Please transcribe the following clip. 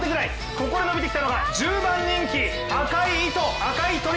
ここでのびてきたのが１０番人気、アカイイト。